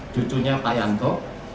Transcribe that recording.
cucunya pak yanto